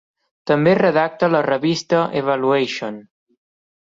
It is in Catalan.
També redacta la revista "Evaluation".